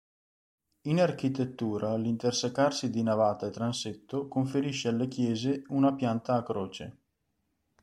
In architettura l'intersecarsi di navata e transetto conferisce alle chiese una pianta a croce.